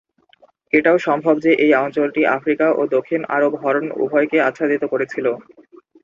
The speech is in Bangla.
এটাও সম্ভব যে এই অঞ্চলটি আফ্রিকা ও দক্ষিণ আরব হর্ন উভয়কেই আচ্ছাদিত করেছিল।